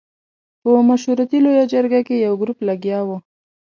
په مشورتي لویه جرګه کې یو ګروپ لګیا وو.